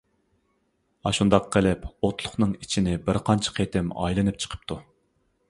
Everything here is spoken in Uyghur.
ئاشۇنداق قىلىپ ئوتلۇقنىڭ ئىچىنى بىر قانچە قېتىم ئايلىنىپ چىقىپتۇ.